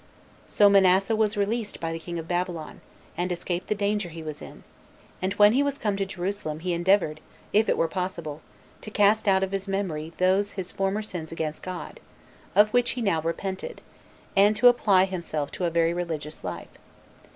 So Manasseh was released by the king of Babylon, and escaped the danger he was in; and when he was come to Jerusalem, he endeavored, if it were possible, to cast out of his memory those his former sins against God, of which he now repented, and to apply himself to a very religious life.